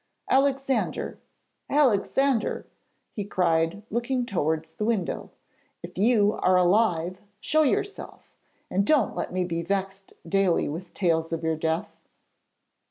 Alexander! Alexander!' he cried, looking towards the window. 'If you are alive, show yourself, and don't let me be vexed daily with tales of your death.'